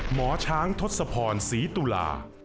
หมอช้างทศพรศรีตุลา